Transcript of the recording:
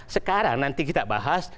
sekarang nanti kita bahas